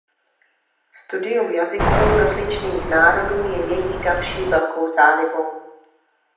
Studium jazyků rozličných národů je její další velkou zálibou.